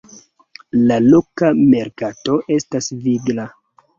La loka merkato estas vigla.